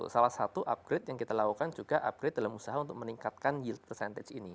salah satu upgrade yang kita lakukan juga upgrade dalam usaha untuk meningkatkan yield persentage ini